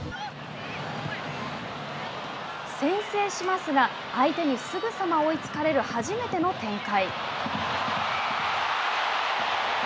先制しますが相手にすぐさま追いつかれる初めての展開。